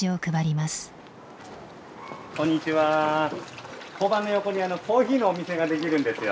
こんにちは交番の横にコーヒーのお店ができるんですよ。